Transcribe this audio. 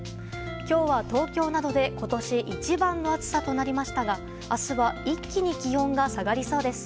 今日は、東京などで今年一番の暑さとなりましたが明日は一気に気温が下がりそうです。